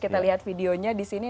kita lihat videonya disini